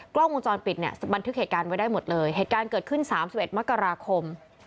กล้องวงจรปิดเนี่ยบันทึกเหตุการณ์ไว้ได้หมดเลยเหตุการณ์เกิดขึ้น๓๑มกราคม